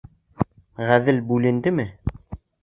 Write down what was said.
Ғәҙел бүлендеме?